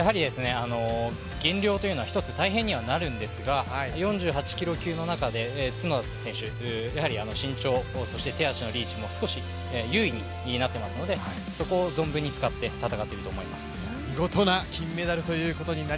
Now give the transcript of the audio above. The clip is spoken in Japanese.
減量というのは一つ大変にはなるんですが、４８キロ級の中で角田選手、身長、手足のリーチも有利になっていますので、そこを存分に使って戦っていると思います。